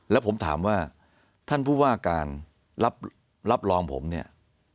แล้วผมถามว่าท่านผู้ว่าการรับรองผมเนี่ย